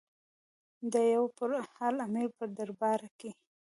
د یو برحال امیر په دربار کې.